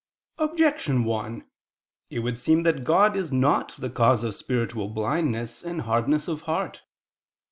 Objection 1: It would seem that God is not the cause of spiritual blindness and hardness of heart.